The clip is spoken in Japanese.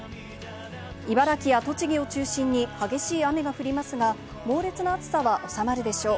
茨城や栃木を中心に激しい雨が降りますが、猛烈な暑さは収まるでしょう。